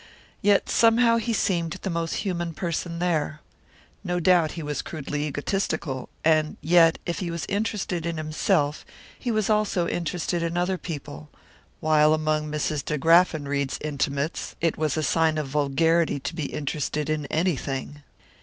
Yet somehow he seemed the most human person there. No doubt he was crudely egotistical; and yet, if he was interested in himself, he was also interested in other people, while among Mrs. De Graffenried's intimates it was a sign of vulgarity to be interested in anything.